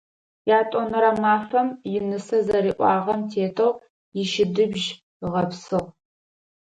Ятӏонэрэ мафэм инысэ зэриӏуагъэм тетэу ищыдыбжь ыгъэпсыгъ.